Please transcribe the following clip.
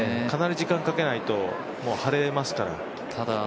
かなり時間をかけないとはれますから。